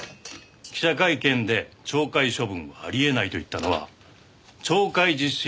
記者会見で「懲戒処分はあり得ない」と言ったのは懲戒実施